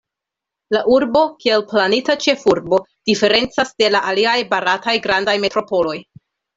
La urbo, kiel planita ĉefurbo, diferencas de la aliaj barataj grandaj metropoloj.